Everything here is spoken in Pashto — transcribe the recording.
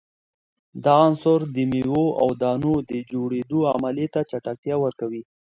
دا عنصر د میو او دانو د جوړیدو عملیې ته چټکتیا ورکوي.